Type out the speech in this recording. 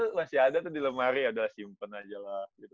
dua ribu dua belas tuh masih ada tuh di lemari udah simpen aja lah gitu